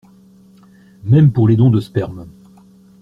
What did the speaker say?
Même pour les dons de sperme.